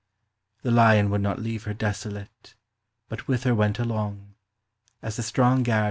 The lyon would not leave her desolate, But with her went along, as a strong gard * understand.